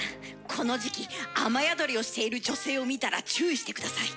この時期雨宿りをしている女性を見たら注意して下さい。